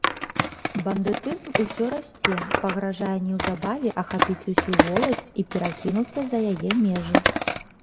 Бандытызм усё расце, пагражае неўзабаве ахапіць усю воласць і перакінуцца за яе межы.